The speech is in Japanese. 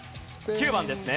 ９番ですね。